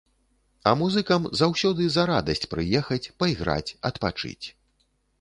А музыкам заўсёды за радасць прыехаць, пайграць, адпачыць.